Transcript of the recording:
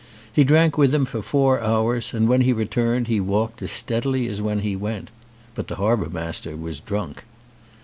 He drank with him for four hours, and when he returned he walked as steadily as when he went. But the harbour master was drunk.